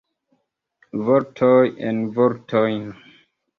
Vortoj en vortojn.